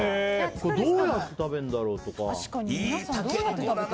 どうやって食べるんだろうと思って。